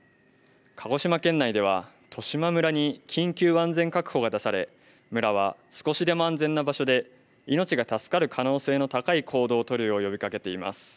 鹿児島県内では十島村に緊急安全確保が出され村は少しでも安全な場所で命が助かる可能性の高い行動を取るよう呼びかけています。